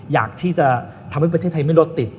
อยากที่จะทำให้ประเทศไทยไม่รถติด